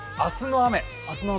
明日の雨。